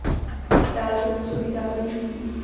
Dále tu působí základní škola.